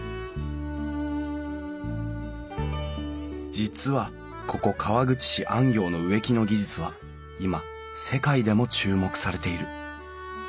実はここ川口市安行の植木の技術は今世界でも注目されている。